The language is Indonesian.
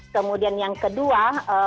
kemudian yang kedua